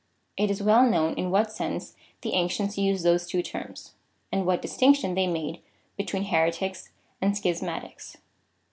It is well known in what sense the ancients used those two terms,^ and what distinction they made between Heretics and Schismatics.